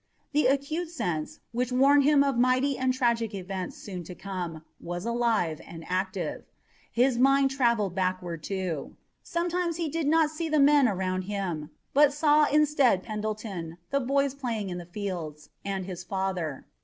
The acute sense which warned him of mighty and tragic events soon to come was alive and active. His mind traveled backward too. Sometimes he did not see the men around him, but saw instead Pendleton, the boys playing in the fields, and his father.